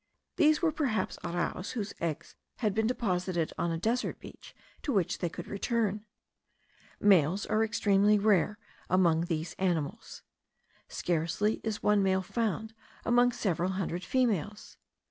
These were perhaps arraus whose eggs had been deposited on a desert beach to which they could return. Males are extremely rare among these animals. Scarcely is one male found among several hundred females.